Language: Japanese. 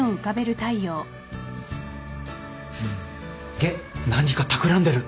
げっ何かたくらんでる。